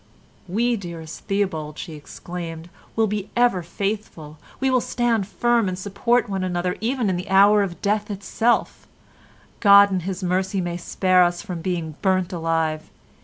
"We, dearest Theobald," she exclaimed, "will be ever faithful. We will stand firm and support one another even in the hour of death itself. God in his mercy may spare us from being burnt alive.